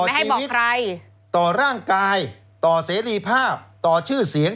ใช่ไม่ให้บอกใครต่อชีวิตต่อร่างกายต่อเสรีภาพต่อชื่อเสียง